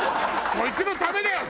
そいつのためだよ！